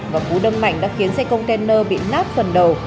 và cú đâm mạnh đã khiến xe container bị nát phần đầu